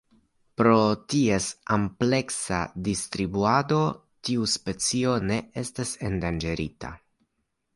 Pro ties ampleksa distribuado tiu specio ne estas endanĝerita.